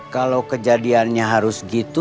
kalau kejadiannya harus gitu